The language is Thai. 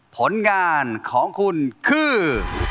ผลงานของคุณคือ